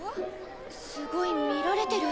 すごい見られてる。